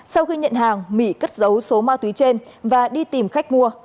sau khi nhận hàng mỹ cất dấu số ma túy trên và đi tìm khách mua